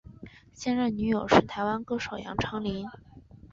现任女友是台湾歌手杨丞琳。